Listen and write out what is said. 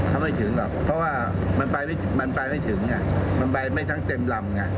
เพราะว่ามันไปไม่ถึงมันไปไม่ทั้งเต็มลำ